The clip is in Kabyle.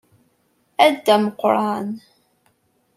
A Dda Meqqran.